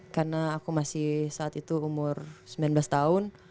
karena aku masih saat itu umur sembilan belas tahun